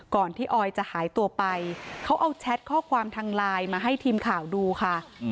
ก่อนที่ออยจะหายตัวไปเขาเอาแชทข้อความทางไลน์มาให้ทีมข่าวดูค่ะ